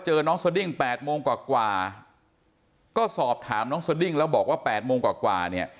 เจอน้อซดิ้ง๘โมงกว่ากว่าก็สอบถามน้าซดิ้งแล้วบอกว่า๘